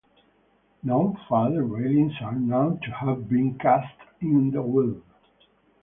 No further railings are known to have been cast in the Weald.